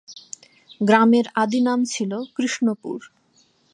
গ্রামের আদি নাম ছিল কৃ্ষ্ণপুর।